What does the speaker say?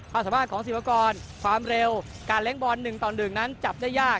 ความสามารถของศิลปกรณ์ความเร็วการเล็งบอลหนึ่งตอนหนึ่งนั้นจับได้ยาก